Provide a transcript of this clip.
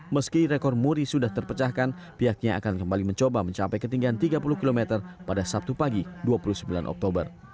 meski rekor muri sudah terpecahkan pihaknya akan kembali mencoba mencapai ketinggian tiga puluh km pada sabtu pagi dua puluh sembilan oktober